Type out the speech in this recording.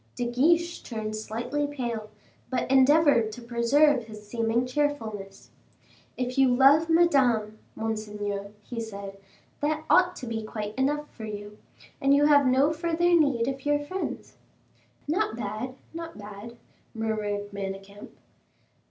De Guiche turned slightly pale, but endeavored to preserve his seeming cheerfulness. "If you love Madame, monseigneur," he said, "that ought to be quite enough for you, and you have no further need of your friends." "Not bad, not bad," murmured Manicamp.